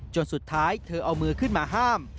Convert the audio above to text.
สุดท้ายเธอเอามือขึ้นมาห้าม